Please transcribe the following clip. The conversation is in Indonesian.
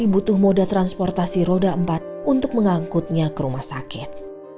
butuh moda transportasi roda empat untuk mengangkutnya ke rumah sakit